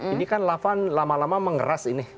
ini kan lavan lama lama mengeras ini